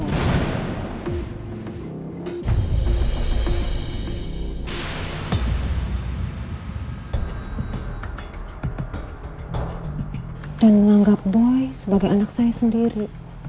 termasuk menanggap boy sebagai anak saya sendiri